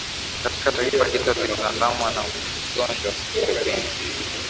katika taifa hilo linaloandamwa na ugonjwa wa kipindupindu